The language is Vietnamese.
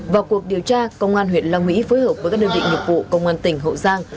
vào cuộc điều tra công an huyện long mỹ phối hợp với các đơn vị nghiệp vụ công an tỉnh hậu giang